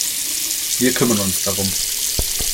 Wir kümmern uns darum.